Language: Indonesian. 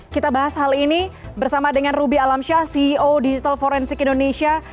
kita bahas hal ini bersama dengan ruby alamsyah ceo digital forensik indonesia